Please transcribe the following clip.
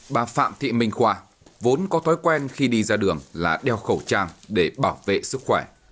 bà phạm thị minh khoa vốn có thói quen khi đi ra đường là đeo khẩu trang để bảo vệ sức khỏe